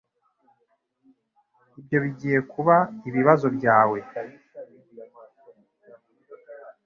Ibyo bigiye kuba ibibazo byawe.